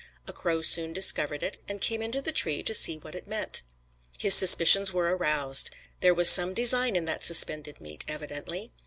A crow soon discovered it, and came into the tree to see what it meant. His suspicions were aroused. There was some design in that suspended meat, evidently.